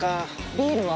ビールは？